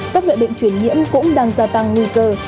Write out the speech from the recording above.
các loại bệnh truyền nhiễm cũng đang gia tăng nguy cơ